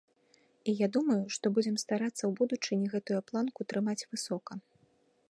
І я думаю, што будзем старацца ў будучыні гэтую планку трымаць высока.